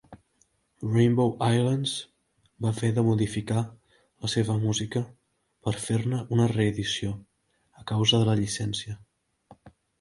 "Rainbow Islands" va haver de modificar la seva música per fer-ne una reedició, a causa de la llicència.